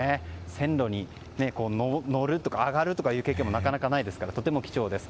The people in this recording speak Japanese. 線路に乗るというか上がるという経験もなかなかないですからとても貴重です。